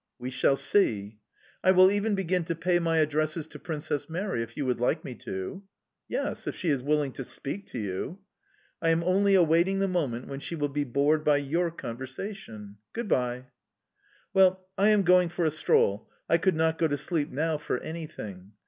"We shall see"... "I will even begin to pay my addresses to Princess Mary, if you would like me to"... "Yes, if she is willing to speak to you"... "I am only awaiting the moment when she will be bored by your conversation... Goodbye"... "Well, I am going for a stroll; I could not go to sleep now for anything...